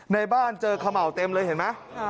ในบ้านเจอเขม่าวเต็มเลยเห็นไหม